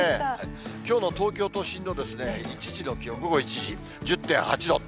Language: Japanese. きょうの東京都心の１時の気温、午後１時、１０．８度。